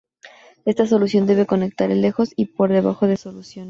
Esta solución debe conectar el lejos y por debajo de soluciones.